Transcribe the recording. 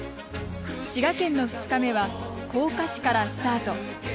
滋賀県の２日目は甲賀市からスタート。